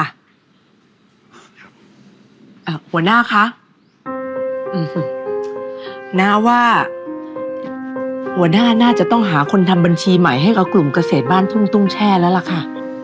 หัวหน้าคะอืมน้าว่าหัวหน้าน่าจะต้องหาคนทำบัญชีใหม่ให้กับกลุ่มเกษตรบ้านทุ่งตุ้งแช่แล้วล่ะค่ะ